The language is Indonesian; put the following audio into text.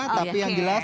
tapi yang jelas